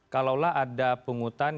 kalaulah ada penghutan